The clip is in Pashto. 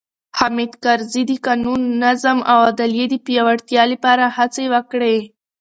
حامد کرزي د قانون، نظم او عدلیې د پیاوړتیا لپاره هڅې وکړې.